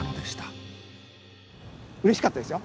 うれしかったですよ。